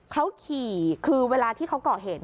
เขาขี่คือเวลาที่เขาก่อเหตุ